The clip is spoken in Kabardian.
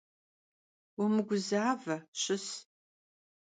Vumıguzaue, şıs!